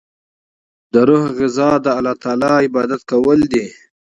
د روح غذا د الله تعالی عبادت کول دی.